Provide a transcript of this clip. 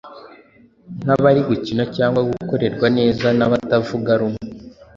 nkabari gucyina cyangwa gukorerwa neza nabatavuga rumwe